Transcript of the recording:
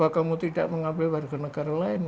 kamu tidak mengambil warga negara lain